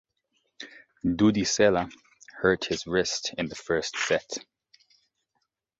Dudi Sela hurt his wrist in the first set.